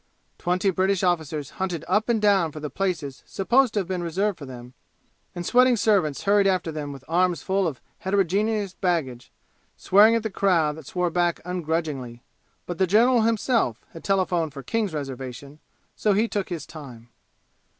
Twenty British officers hunted up and down for the places supposed to have been reserved for them, and sweating servants hurried after them with arms full of heterogeneous baggage, swearing at the crowd that swore back ungrudgingly. But the general himself had telephoned for King's reservation, so he took his time.